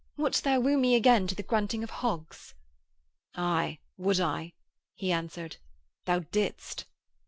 Wouldst thou woo me again to the grunting of hogs?' 'Aye, would I,' he answered. 'Thou didst....'